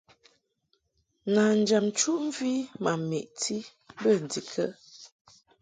Nanjam nchuʼmvi ma meʼti bə ndikə ?